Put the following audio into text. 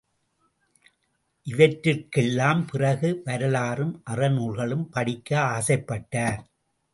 இவற்றுக்கெல்லாம் பிறகு வரலாறும் அறநூல்களும் படிக்க ஆசைப்பட்டார்.